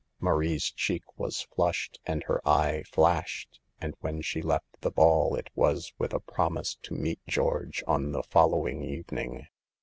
Marie's cheek was flushed and her eye flashed, and when she left the ball it was with a promise to meet George on the following evening.